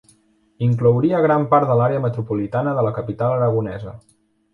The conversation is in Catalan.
Inclouria gran part de l'àrea metropolitana de la capital aragonesa.